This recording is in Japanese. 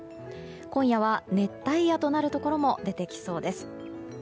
今夜は熱帯夜となるところも出てきそうです。